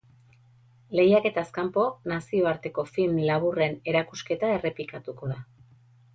Lehiaketaz kanpo, nazioarteko film laburren erakusketa errepikatuko da.